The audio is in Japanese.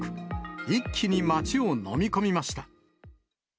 一気に町を飲み込みました。